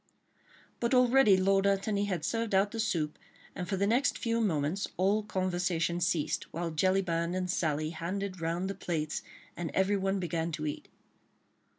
But already Lord Antony had served out the soup, and for the next few moments all conversation ceased, while Jellyband and Sally handed round the plates and everyone began to eat.